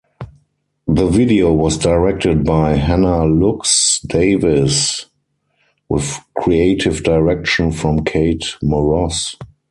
The video was directed by Hannah Lux Davis with creative direction from Kate Moross.